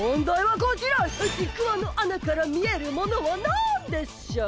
ちくわのあなからみえるものはなんでしょう？